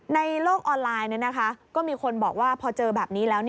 ในโลกออนไลน์ก็มีคนบอกว่าพอเจอแบบนี้แล้ว